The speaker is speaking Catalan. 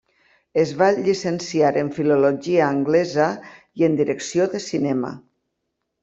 Es va llicenciar en Filologia anglesa, i en direcció de cinema.